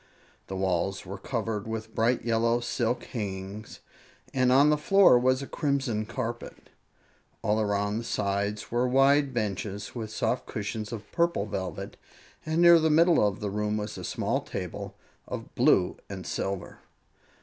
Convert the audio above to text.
The walls were covered with bright yellow silk hangings and on the floor was a crimson carpet. All around the sides were wide benches with soft cushions of purple velvet, and near the middle of the room was a small table of blue and silver.